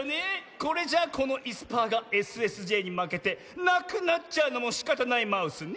これじゃあこのいすパーがＳＳＪにまけてなくなっちゃうのもしかたないマウスね。